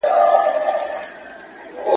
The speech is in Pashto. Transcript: ایا ستا واده شوی دی؟